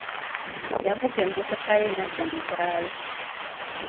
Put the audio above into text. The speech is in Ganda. Yavuga emmotoka ye n'adda mu kyalo.